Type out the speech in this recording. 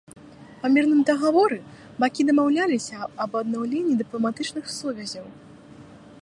Па мірным дагаворы бакі дамаўляліся аб аднаўленні дыпламатычных сувязяў.